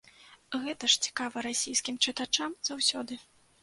Гэта ж цікава расійскім чытачам заўсёды.